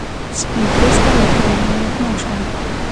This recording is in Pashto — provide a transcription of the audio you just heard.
سپین پوسته اروپایان واکمن شول.